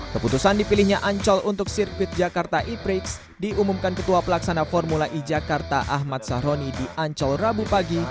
keputusan dipilihnya ancol untuk sirkuit jakarta e prix diumumkan ketua pelaksana formula e jakarta ahmad sahroni di ancol rabu pagi